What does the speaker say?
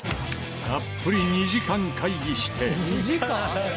たっぷり２時間会議して。